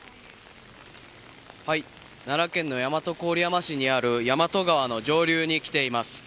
奈良県の大和郡山市にある大和川の上流に来ています。